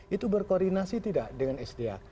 itu berkoordinasi tidak dengan sda